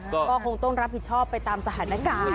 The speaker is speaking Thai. ก็คงต้องรับผิดชอบไปตามสถานการณ์